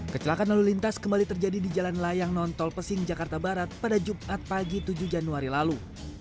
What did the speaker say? kecelakaan lalu lintas kembali terjadi di jalan layang nontol pesing jakarta barat pada jumat pagi tujuh januari lalu